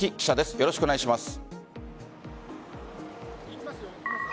よろしくお願いします。